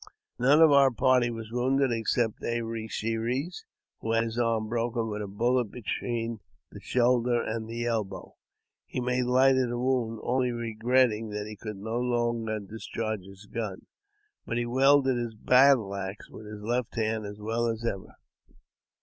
None of our party was wounded except A re she res, who had his arm broken with a bullet between the shoulder and elbow. He made light of the wound, only regretting that he could no longer discharge his gun ; but he wielded his battle axe with his left hand as well as ever.